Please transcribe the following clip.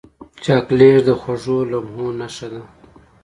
چاکلېټ د خوږو لمحو نښه ده.